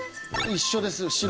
一緒です白。